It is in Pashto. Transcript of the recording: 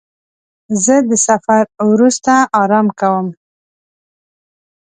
زه د سفر وروسته آرام کوم.